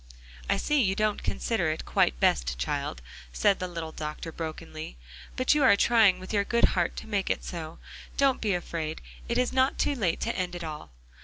"I see you don't consider it quite best, child," said the little doctor brokenly, "but you are trying with your good heart, to make it so. Don't be afraid; it is not too late to end it all."